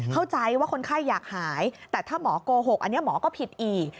เข้าใจว่าคนไข้อยากหายแต่ถ้าหมอโกหกอันนี้หมอก็ผิดอีก